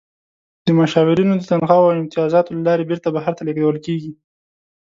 د مشاورینو د تنخواوو او امتیازاتو له لارې بیرته بهر ته لیږدول کیږي.